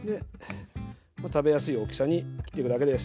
もう食べやすい大きさに切ってくだけです。